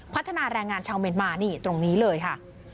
พัฒนาแรงงานชาวเมียนมานี่ตรงนี้เลยค่ะ